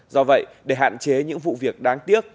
do vậy để hạn chế những vụ việc đáng tiếc